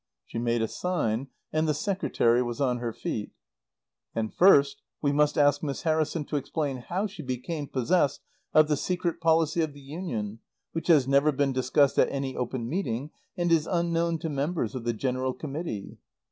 She made a sign, and the Secretary was on her feet. "And first we must ask Miss Harrison to explain how she became possessed of the secret policy of the Union which has never been discussed at any open meeting and is unknown to members of the General Committee."